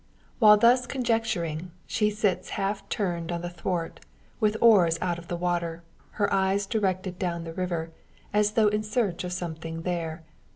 While thus conjecturing, she sits half turned on the thwart, with oars out of water, her eyes directed down the river, as though in search of something there.